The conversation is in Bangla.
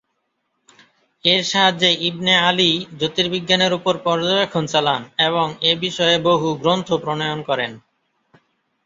এর সাহায্যে ইবনে আলী জ্যোতির্বিজ্ঞানের উপর পর্যবেক্ষণ চালান এবং এ বিষয়ে বহু গ্রন্থ প্রণয়ন করেন।